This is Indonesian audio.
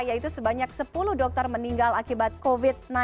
yaitu sebanyak sepuluh dokter meninggal akibat covid sembilan belas